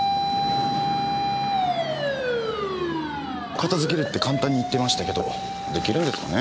片付けるって簡単に言ってましたけどできるんですかね？